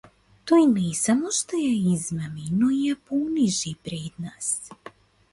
Тој не само што ја измами но и ја понижи пред нас.